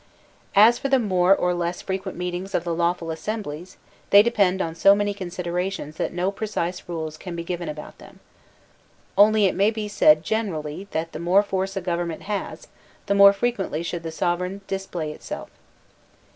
As for the more or less frequent meetings of the law ful assemblies, they depend on so many considerations that no precise rules can be given about them. Only it may be said generally that the more force a government has the more frequently should the sovereign display itself.